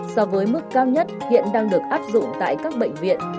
so với mức cao nhất hiện đang được áp dụng tại các bệnh viện